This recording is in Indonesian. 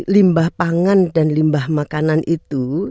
limbah pangan dan limbah makanan itu